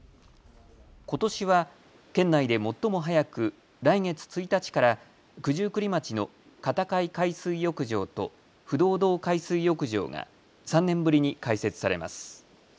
ことしは県内で最も早く来月１日から九十九里町の片貝海水浴場と不動堂海水浴場が３年ぶりに開設されます。